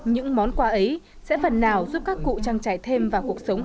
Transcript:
những món quà ấy sẽ phần nào giúp các cụ trang trải thêm vào cuộc sống